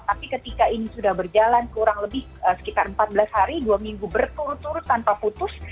tapi ketika ini sudah berjalan kurang lebih sekitar empat belas hari dua minggu berturut turut tanpa putus